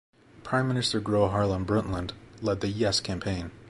Prime Minister Gro Harlem Brundtland led the "Yes" campaign.